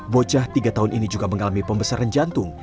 bocah tiga tahun ini juga mengalami pembesaran jantung